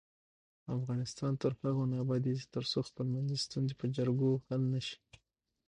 افغانستان تر هغو نه ابادیږي، ترڅو خپلمنځي ستونزې په جرګو حل نشي.